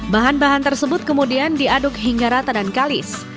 bahan bahan tersebut kemudian diaduk hingga rata dan kalis